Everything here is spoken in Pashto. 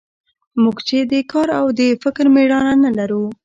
موږ چې د کار او د فکر مېړانه نه لرو.